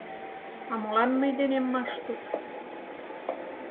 — А молан мый денем Маштук?